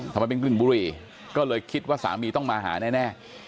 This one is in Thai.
ทำไมเป็นกลิ่นบุหรี่ก็เลยคิดว่าสามีต้องมาหาแน่